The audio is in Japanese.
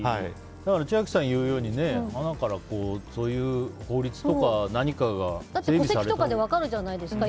千秋さんが言うようにはなからそういう法律とか何かがだって戸籍とかで分かるじゃないですか。